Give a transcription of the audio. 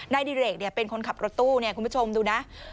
นายดิเรกเนี่ยเป็นคนขับรถตู้เนี่ยคุณผู้ชมดูนะ